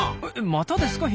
またですか？